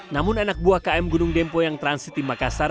namun anak buah km gunung dempo yang transit di makassar